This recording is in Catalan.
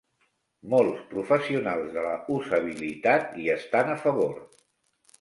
Molts professionals de la usabilitat hi estan a favor.